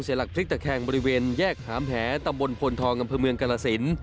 หลักพลิกตะแคงบริเวณแยกหามแหตำบลพลทองอำเภอเมืองกรสิน